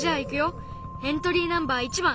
エントリーナンバー１番！